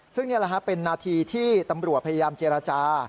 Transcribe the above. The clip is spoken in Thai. ซึ่งนี่แหละฮะเป็นนาทีที่ตำรวจพยายามเจรจา